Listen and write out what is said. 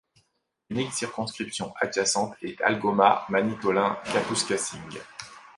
L'unique circonscription adjacente est Algoma—Manitoulin—Kapuskasing.